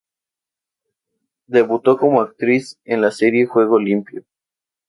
Debutó como actriz en la serie "Juego limpio".